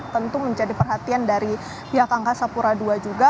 tentu menjadi perhatian dari pihak angkasa pura ii juga